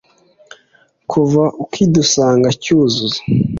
kuva ukidusanga cyuzuzo